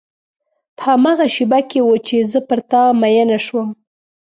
په هماغه شېبه کې و چې زه پر تا مینه شوم.